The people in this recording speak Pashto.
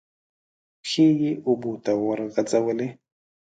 پښې یې اوبو ته ورغځولې.